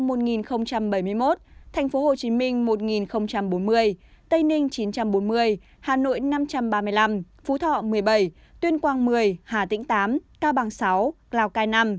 bến tre một bảy mươi một tp hcm một bốn mươi tây ninh chín trăm bốn mươi hà nội năm trăm ba mươi năm phú thọ một mươi bảy tuyên quang một mươi hà tĩnh tám cao bằng sáu lào cai năm